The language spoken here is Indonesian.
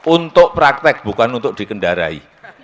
untuk praktek bukan untuk dikendarai